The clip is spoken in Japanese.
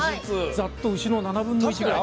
ざっと牛の７分の１ぐらい。